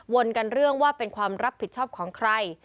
กันเรื่องว่าเป็นความรับผิดชอบของใคร